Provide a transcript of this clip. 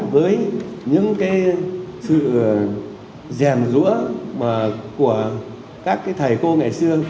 với những sự rèn rũa của các thầy cô ngày xưa